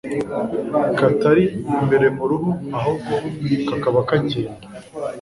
katari imbere mu ruhu ahubwo kakaba kagenda